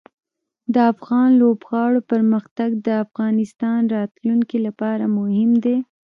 د افغان لوبغاړو پرمختګ د افغانستان راتلونکې لپاره مهم دی.